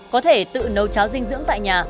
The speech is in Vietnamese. có thể tự nấu cháo dinh dưỡng tại nhà